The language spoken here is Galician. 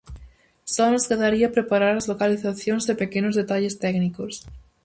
Só nos quedaría preparar as localizacións e pequenos detalles técnicos.